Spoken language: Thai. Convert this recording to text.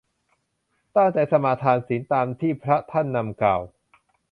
ตั้งใจสมาทานศีล ตามที่พระท่านนำกล่าว